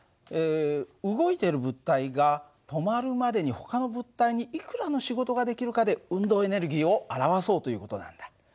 動いてる物体が止まるまでにほかの物体にいくらの仕事ができるかで運動エネルギーを表そうという事なんだ。